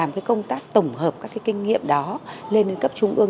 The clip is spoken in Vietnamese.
cái công tác tổng hợp các cái kinh nghiệm đó lên đến cấp trung ương